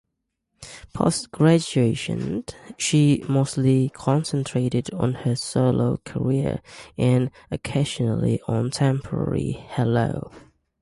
Post-graduation she mostly concentrated on her solo career, and occasionally on temporary Hello!